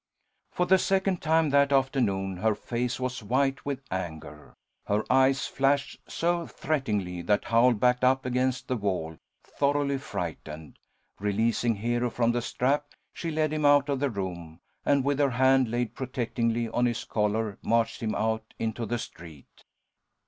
For the second time that afternoon her face was white with anger. Her eyes flashed so threateningly that Howl backed up against the wall, thoroughly frightened. Releasing Hero from the strap, she led him out of the room, and, with her hand laid protectingly on his collar, marched him out into the street.